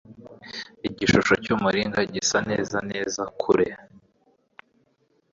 Igishusho cy'umuringa gisa neza neza kure.